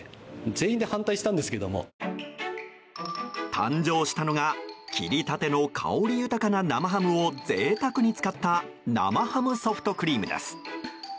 誕生したのが切りたての香り豊かな生ハムをぜいたくに使った生ハムソフトクリームです。